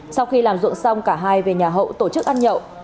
sau khi làm ruộng xong cả hai về nhà hậu tổ chức ăn nhậu